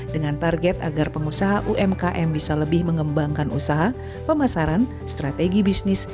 dengan target agar pengusaha umkm bisa lebih mengembangkan usaha pemasaran strategi bisnis